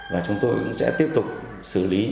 và chúng tôi cũng sẽ tiếp tục xử lý